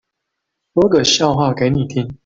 說個笑話給你聽